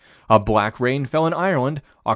A black rain fell in Ireland, Oct.